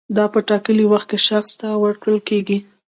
دا په ټاکلي وخت کې شخص ته ورکول کیږي.